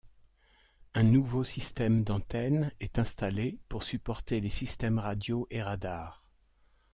Un nouveau système d'antennes est installé pour supporter les systèmes radios et radars.